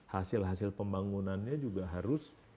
hasil hasil pembangunannya juga harus